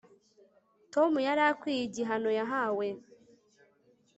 tom yari akwiye igihano yahawe